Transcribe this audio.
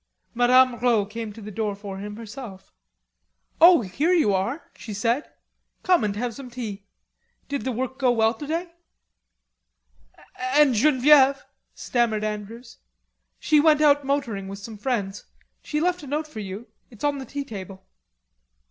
Madame Rod opened the door for him herself. "Oh, here you are," she said. "Come and have some tea. Did the work go well to day?" "And Genevieve?" stammered Andrews. "She went out motoring with some friends. She left a note for you. It's on the tea table."